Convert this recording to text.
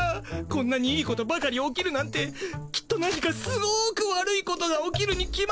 こんなにいいことばかり起きるなんてきっと何かすごく悪いことが起きるに決まってます。